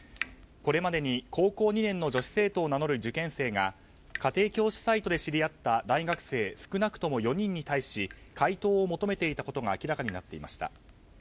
これまでに、高校２年の女子生徒を名乗る受験生が家庭教師サイトで知り合った大学生少なくとも４人に対し解答を求めていたことが明らかになっていました。